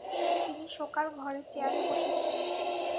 তিনি শোকার ঘরে চেয়ারে বসে ছিলেন।